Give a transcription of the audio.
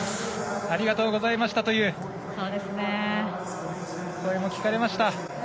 ありがとうございましたという声も聞かれました。